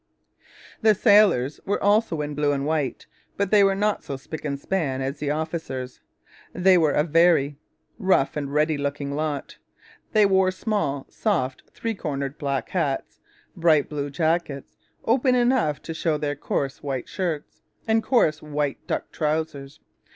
The sailors were also in blue and white; but they were not so spick and span as the officers. They were a very rough and ready looking lot. They wore small, soft, three cornered black hats, bright blue jackets, open enough to show their coarse white shirts, and coarse white duck trousers.